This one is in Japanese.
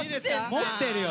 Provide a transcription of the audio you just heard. もってるよ。